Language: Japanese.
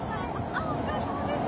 ・あっお疲れさまです。